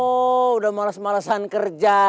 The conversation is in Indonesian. oh udah males malesan kerja